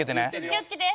気をつけて。